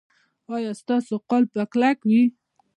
ایا ستاسو قفل به کلک وي؟